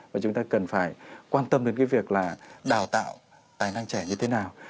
và chúng ta cần phải quan tâm đến cái việc là đào tạo tài năng trẻ như thế nào